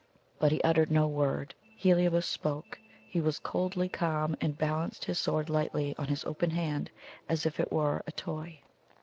But he uttered no word. Heliobas spoke; he was coldly calm, and balanced his sword lightly on his open hand as if it were a toy.